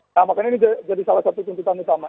nah makanya ini jadi salah satu tuntutan utama